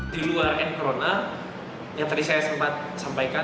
di luar n corona yang tadi saya sempat sampaikan